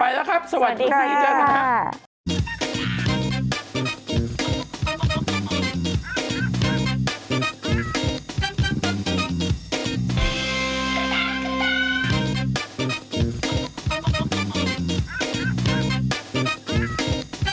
ไปแล้วครับสวัสดีครับที่เจอกันนะครับสวัสดีค่ะ